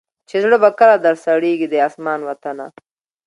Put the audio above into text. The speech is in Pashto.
چي زړه به کله در سړیږی د اسمان وطنه